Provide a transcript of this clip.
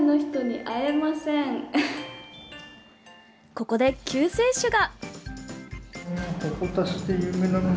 ここで救世主が！